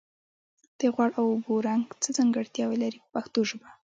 د غوړ او اوبو رنګ څه ځانګړتیاوې لري په پښتو ژبه.